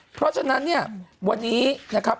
เพราะฉะนั้นเนี่ยวันนี้นะครับ